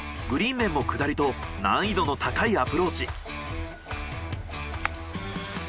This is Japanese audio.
グリーン面も下りと難易度の高いアプローチ。